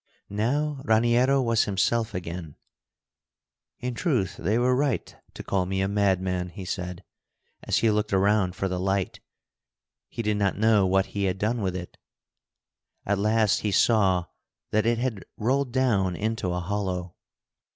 Now Raniero was himself again. "In truth they were right to call me a madman," he said, as he looked around for the light. He did not know what he had done with it. At last he saw that it had rolled down into a hollow.